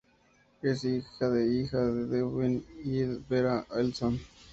Es hija de hija de Edwin y Vera Elson.